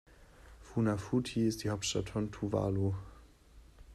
Funafuti ist die Hauptstadt von Tuvalu.